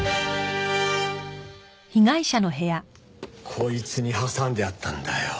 こいつに挟んであったんだよ。